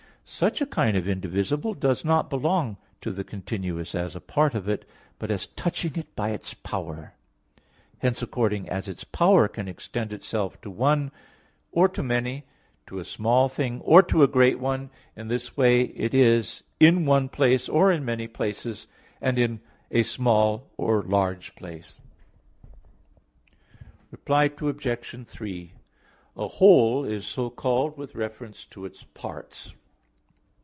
Such a kind of indivisible does not belong to the continuous, as a part of it, but as touching it by its power; hence, according as its power can extend itself to one or to many, to a small thing, or to a great one, in this way it is in one or in many places, and in a small or large place. Reply Obj. 3: A whole is so called with reference to its parts.